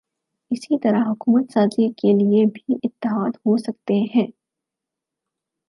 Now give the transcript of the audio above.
اسی طرح حکومت سازی کے لیے بھی اتحاد ہو سکتے ہیں۔